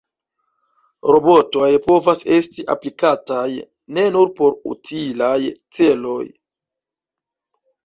Robotoj povas esti aplikataj ne nur por utilaj celoj.